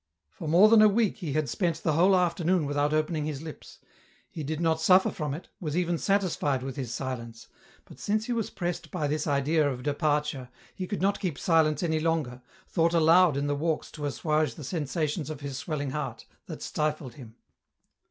For more than a week he had spent the whole afternoon without opening his lips ; he did not suffer from it, was even satisfied with his silence, but since he was pressed by this idea of departure he could not keep silence any longer, thought aloud in the walks to assuage the sensations of his swelling heart, that stifled him.